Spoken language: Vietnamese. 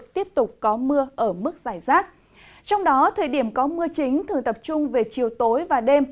trong đó thời điểm có mưa chính thường tập trung về chiều tối và đêm